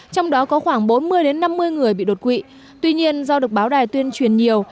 trong đó có khoảng bốn mươi năm mươi người bị đột quỵ tuy nhiên do được báo đài tuyên truyền nhiều